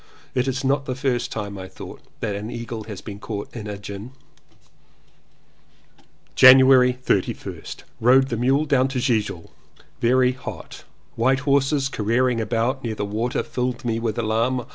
It is not the first time, I thought, that an eagle has been caught in a gin. January 31st. Rode the mule down to Gilgil. Very hot. White horses careering about near the water filled me with alarm.